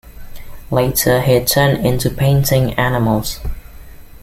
Later he turned to painting animals.